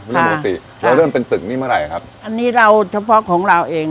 ค่ะแล้วเริ่มเป็นตึกนี้เมื่อไหร่ครับอันนี้เราเฉพาะของเราเอง